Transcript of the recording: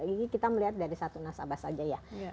ini kita melihat dari satu nasabah saja ya